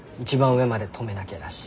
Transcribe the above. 上まで留めなきゃだし